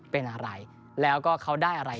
เป็นอะไรแล้วก็เขาได้อะไร